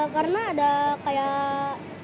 karena ada kayak